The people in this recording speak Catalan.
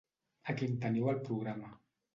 Aquí en teniu el programa.